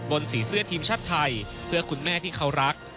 สีเสื้อทีมชาติไทยเพื่อคุณแม่ที่เขารัก